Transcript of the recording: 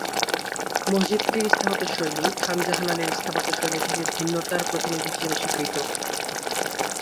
মসজিদটির স্থাপত্যশৈলী খান জাহান আলীর স্থাপত্যশৈলী থেকে ভিন্নতার প্রতিনিধি হিসেবে স্বীকৃত।